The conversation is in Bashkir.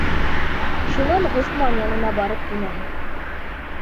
Шунан Ғосман янына барып инәһең...